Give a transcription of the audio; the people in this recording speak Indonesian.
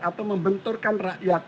atau membenturkan rakyat